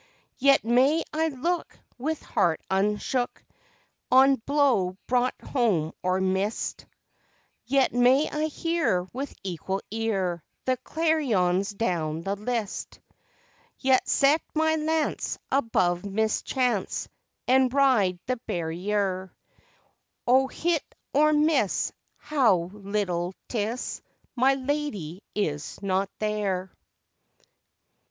_ _Yet may I look with heart unshook On blow brought home or missed Yet may I hear with equal ear The clarions down the list; Yet set my lance above mischance And ride the barriere Oh, hit or miss, how little 'tis, My Lady is not there!